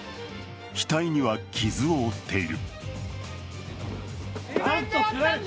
額には傷を負っている。